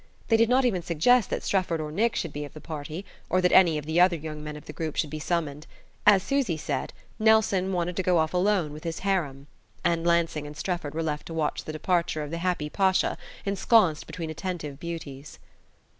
They did not even suggest that Strefford or Nick should be of the party, or that any of the other young men of the group should be summoned; as Susy said, Nelson wanted to go off alone with his harem. And Lansing and Strefford were left to watch the departure of the happy Pasha ensconced between attentive beauties.